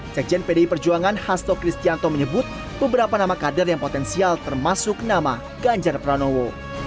sekjen pdi perjuangan hasto kristianto menyebut beberapa nama kader yang potensial termasuk nama ganjar pranowo